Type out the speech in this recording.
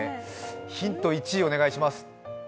ヒント１、お願いします。